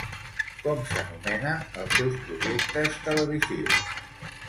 Com s'anomenen els seus projectes televisius?